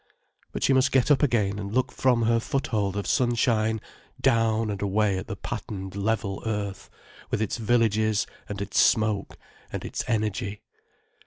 But she must get up again and look down from her foothold of sunshine, down and away at the patterned, level earth, with its villages and its smoke and its energy.